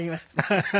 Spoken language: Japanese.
ハハハ。